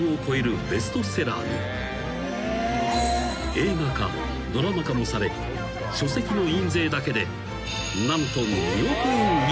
［映画化ドラマ化もされ書籍の印税だけで何と］